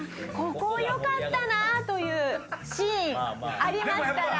ここよかったなあというシーンありましたら。